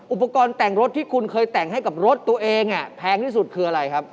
อุปกรณ์แต่งรถที่คุณเคยแต่งให้กับรถตัวเองแพงที่สุดคืออะไรครับ